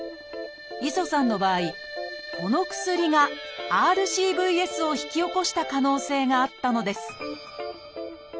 磯さんの場合この薬がＲＣＶＳを引き起こした可能性があったのです